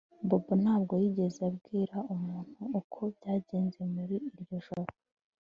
Bobo ntabwo yigeze abwira umuntu uko byagenze muri iryo joro